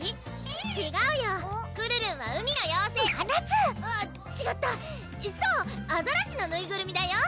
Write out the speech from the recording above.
ちがうよくるるんは海の妖精まなつ！あっちがったそうアザラシのぬいぐるみだよ